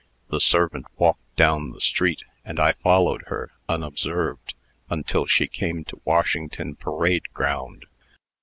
The servant walked down the street, and I followed her, unobserved, until she came to Washington Parade Ground.